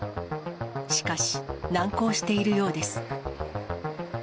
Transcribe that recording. しかし、難航しているようです。